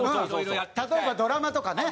例えばドラマとかね。